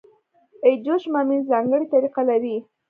ابجوش ممیز ځانګړې طریقه لري.